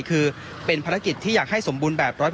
คือเป็นภารกิจที่อยากให้สมบูรณ์แบบ๑๐๐